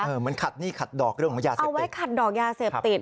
เหมือนขัดหนี้ขัดดอกเอาไว้ขัดดอกยาเสพติด